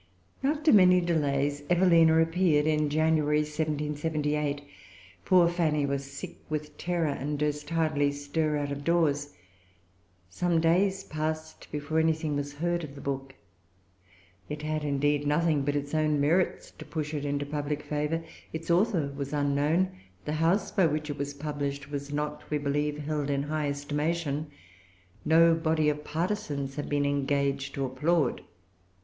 After many delays Evelina appeared in January, 1778. Poor Fanny was sick with terror, and durst hardly stir out of doors. Some days passed before anything was heard of the book. It had, indeed, nothing but its own merits to push it into public favor. Its author was unknown. The house by which it was published was not, we believe, held in high estimation. No body of partisans had been engaged to applaud.